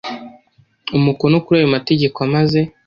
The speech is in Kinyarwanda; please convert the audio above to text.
umukono kuri aya mategeko amaze